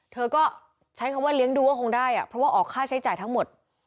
เธอก็ใช้คำว่าเลี้ยงดูก็คงได้เพราะว่าออกค่าใช้จ่ายทั้งหมด